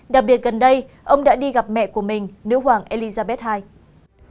đặc biệt gần đây ông đã đi gặp mẹ của mình nữ hoàng elizabeth ii